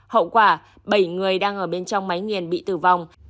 hậu quả bảy người đang ở bên trong máy nghiền bị tử vong